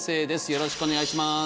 よろしくお願いします